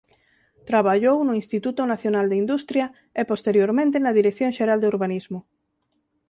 Traballou no Instituto Nacional de Industria e posteriormente na Dirección Xeral de Urbanismo.